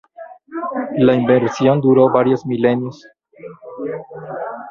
La inversión duró varios milenios.